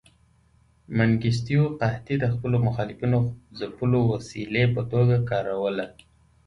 منګیستیو قحطي د خپلو مخالفینو ځپلو وسیلې په توګه کاروله.